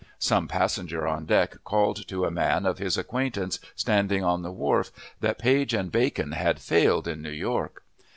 Some passenger on deck called to a man of his acquaintance standing on the wharf, that Page & Bacon had failed in New York.